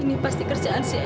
ini pasti kerjaan si elay